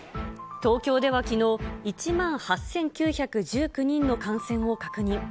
東京ではきのう、１万８９１９人の感染を確認。